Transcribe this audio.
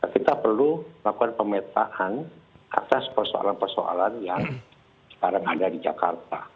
kita perlu lakukan pemetaan atas persoalan persoalan yang sekarang ada di jakarta